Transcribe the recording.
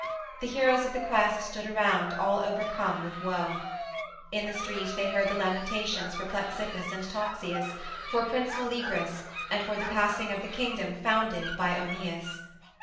The heroes of the quest stood around, all overcome with woe. In the street they heard the lamentations for Plexippus and Toxeus, for Prince Meleagrus, and for the passing of the kingdom founded by Oeneus.